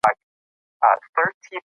زه به د اضطراب د کمولو لارې چارې زده کړم.